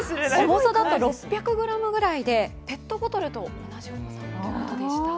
重さだと６００ｇぐらいで、ペットボトルと同じくらいだそうです。